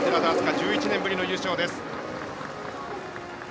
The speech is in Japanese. １１年ぶりの優勝です。